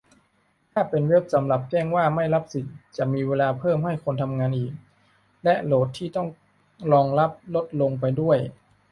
ถ้าเป็นเว็บสำหรับแจ้งว่าไม่รับสิทธิ์ จะมีเวลาเพิ่มให้คนทำงานอีก และโหลดที่ต้องรองรับลดลงไปด้วย